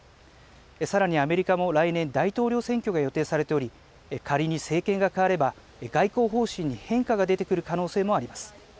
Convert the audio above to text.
さらにアメリカも来年、大統領選挙が予定されており、仮に政権が変われば、外交方針に変化が出てくる可能性もあります。